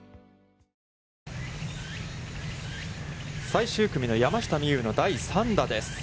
最終組の山下美夢有の第３打です。